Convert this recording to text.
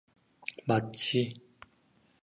맞지.